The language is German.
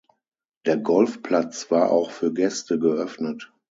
Der Golfplatz war auch für Gäste geöffnet.